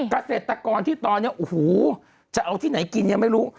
เกษตรกรที่ตอนนี้โอ้โหจะเอาที่ไหนกินยังไม่รู้